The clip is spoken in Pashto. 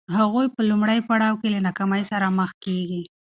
هغوی په لومړي پړاو کې له ناکامۍ سره مخ کېږي.